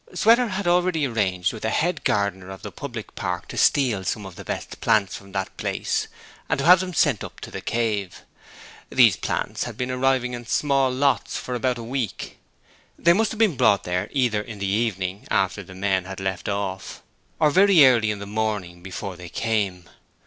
Sweater had already arranged with the head gardener of the public park to steal some of the best plants from that place and have them sent up to 'The Cave'. These plants had been arriving in small lots for about a week. They must have been brought there either in the evening after the men left off or very early in the morning before they came.